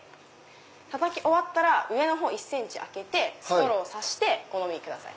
たたき終わったら上のほうを１ｃｍ開けてストロー差してお飲みください。